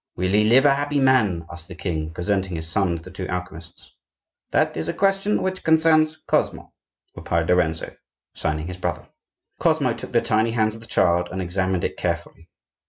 "Will he live a happy man?" asked the king, presenting his son to the two alchemists. "That is a question which concerns Cosmo," replied Lorenzo, signing his brother. Cosmo took the tiny hand of the child, and examined it carefully.